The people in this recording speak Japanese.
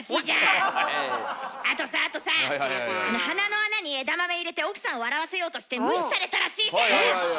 あとさあとさ鼻の穴に枝豆入れて奥さん笑わせようとして無視されたらしいじゃん！